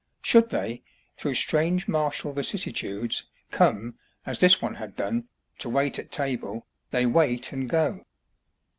Should they, through strange martial vicissitudes, come, as this one had done, to wait at table, they wait and go.